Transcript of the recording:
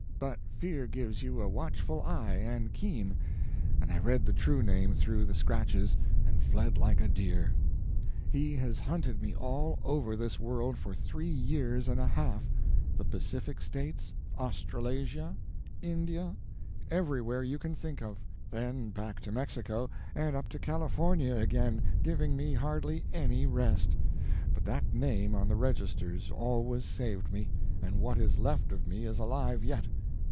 But fear gives you a watchful eye and keen, and I read the true name through the scratches, and fled like a deer. He has hunted me all over this world for three years and a half the Pacific states, Australasia, India everywhere you can think of; then back to Mexico and up to California again, giving me hardly any rest; but that name on the registers always saved me, and what is left of me is alive yet.